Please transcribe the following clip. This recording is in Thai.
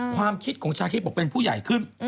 ความคิดของชาคริสบอกเป็นผู้ใหญ่ขึ้น